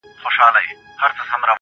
دوه زړونه په اورو کي د شدت له مينې ژاړي_